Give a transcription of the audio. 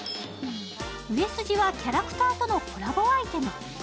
売れ筋はキャラクターとのコラボアイテム。